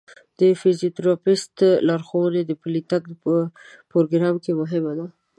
د فزیوتراپیست لارښوونه د پلي تګ په پروګرام کې مهمه ده.